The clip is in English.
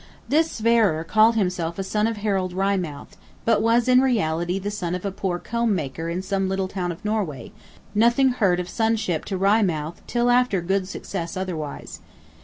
This Sverrir called himself a Son of Harald Wry Mouth; but was in reality the son of a poor Comb maker in some little town of Norway; nothing heard of Sonship to Wry Mouth till after good success otherwise.